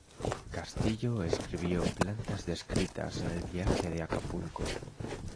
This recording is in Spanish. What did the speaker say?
Castillo escribió "Plantas descritas en el viaje de Acapulco".